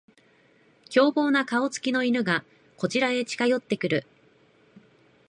凶暴な顔つきの犬がこちらへ近寄ってくる